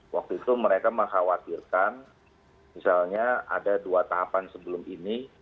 waktu itu mereka mengkhawatirkan misalnya ada dua tahapan sebelum ini